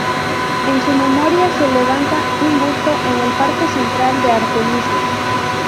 En su memoria se levanta un busto en el Parque Central de Artemisa.